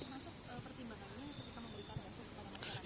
masuk pertimbangan ini seperti apa yang dikatakan oleh presiden joko widodo